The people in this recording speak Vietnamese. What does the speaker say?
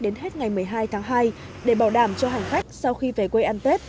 đến hết ngày một mươi hai tháng hai để bảo đảm cho hành khách sau khi về quê ăn tết